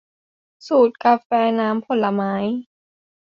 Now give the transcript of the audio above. สูตรกาแฟน้ำผลไม้